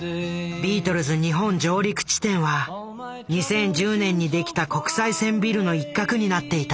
ビートルズ日本上陸地点は２０１０年に出来た国際線ビルの一角になっていた。